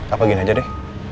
apa gini aja deh